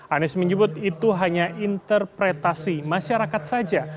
anies menyebut itu hanya interpretasi masyarakat saja